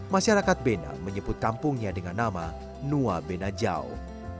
masyarakat bena menyebut kampungnya dengan nama nua bena jauh